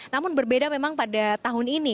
namun berbeda memang pada tahun ini